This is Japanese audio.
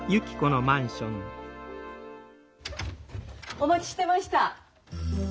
お待ちしてました。